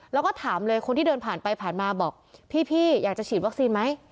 แล้วก็ถามเลยคนที่เดินผ่านไปผ่านมาบอกพี่อยากจะฉีดวัคซีนไหม